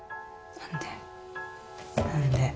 何で！